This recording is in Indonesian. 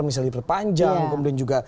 misalnya diperpanjang kemudian juga